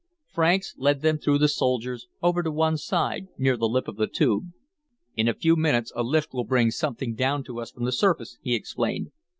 Franks led them through the soldiers, over to one side, near the lip of the Tube. "In a few minutes, a lift will bring something down to us from the surface," he explained.